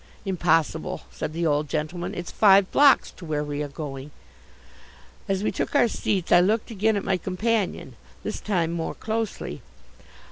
"Impossible," said the old gentleman. "It's five blocks to where we are going." As we took our seats I looked again at my companion; this time more closely.